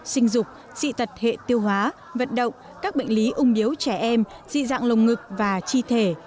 sinh dục dị tật hệ tiêu hóa vận động các bệnh lý ung điếu trẻ em dị dạng lồng ngực và chi thể